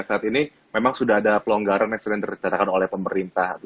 saat ini memang sudah ada pelonggaran yang sedang dicatakan oleh pemerintah